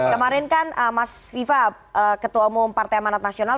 kemarin kan mas viva ketua umum partai amanat nasional